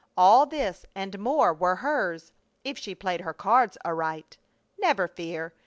All this and more were hers if she played her cards aright. Never fear!